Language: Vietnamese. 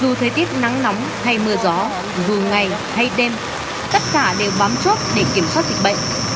dù thời tiết nắng nóng hay mưa gió dù ngày hay đêm tất cả đều bám chốt để kiểm soát dịch bệnh